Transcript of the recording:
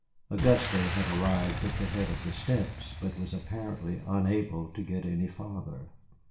Auguste had arrived at the head of the steps but was apparently unable to get any farther.